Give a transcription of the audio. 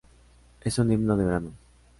Es un himno de verano.